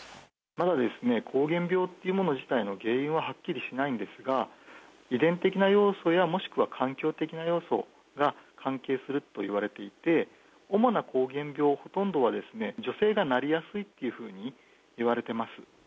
まだ膠原病というもの自体の原因ははっきりしないんですが、遺伝的な要素や、もしくは環境的な要素が関係するといわれていて、主な膠原病、ほとんどは女性がなりやすいっていうふうにいわれてます。